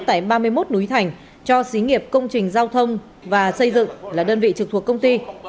tại ba mươi một núi thành cho xí nghiệp công trình giao thông và xây dựng là đơn vị trực thuộc công ty